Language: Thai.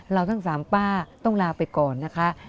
เราทั้งสามป้าต้องลาไปก่อนนะคะ